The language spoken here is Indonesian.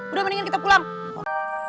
udah mendingan kita pulang